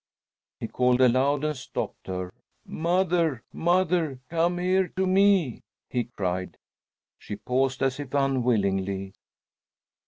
He called aloud and stopped her. "Mother, mother, come here to me!" he cried. She paused, as if unwillingly.